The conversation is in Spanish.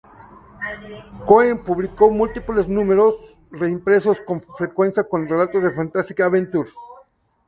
Cohen publicó múltiples números reimpresos, con frecuencia con relatos de "Fantastic Adventures".